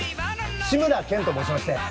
志村けんと申しまして」